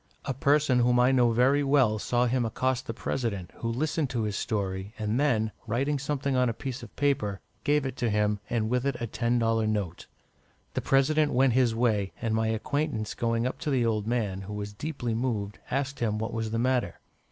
A person whom I know very well saw him accost the President, who listened to his story, and then, writing something on a piece of paper, gave it to him, and with it a ten dollar note. The President went his way, and my acquaintance going up to the old man, who was deeply moved, asked him what was the matter.